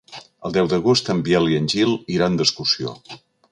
El deu d'agost en Biel i en Gil iran d'excursió.